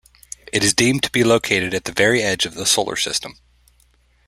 It is deemed to be located at the very edge of the Solar System.